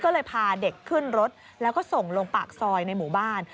ก็เลยพาเด็กขึ้นรถแล้วก็ส่งลงปากซอยในหมู่บ้าน